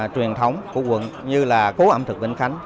truyền thống của quận như là phố ẩm thực bình khánh